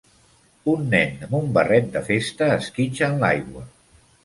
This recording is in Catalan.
Un nen amb un barret de festa esquitxa en l'aigua